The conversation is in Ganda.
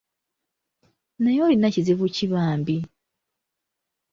Naye olina kizibu ki bambi?”